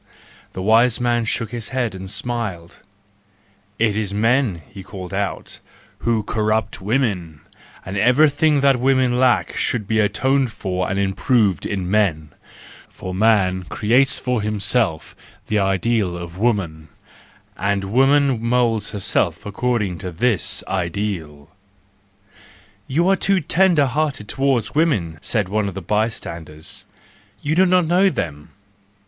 " The wise man shook his head and smiled. " It is men," he called out, "who corrupt women; and everything that women lack should be atoned for and improved in men,—for man creates for himself the ideal of woman, and woman moulds herself according to this ideal"—"You are too tender hearted towards women," said one of the bystanders, " you do not know them